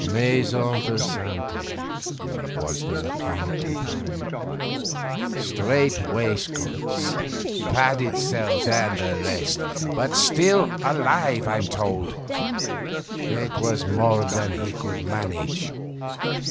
'Maison de santé,' was the laconic reply, 'strait waistcoats, padded cells, and the rest; but still alive, I'm told. It was more than he could manage.